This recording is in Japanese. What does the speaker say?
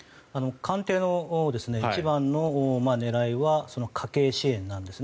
官邸の一番の狙いは家計支援なんです。